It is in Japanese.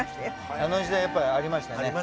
あの時代やっぱありましたね。